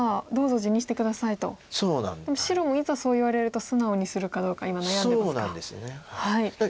でも白もいざそう言われると素直にするかどうか今悩んでますか。